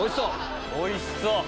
おいしそう。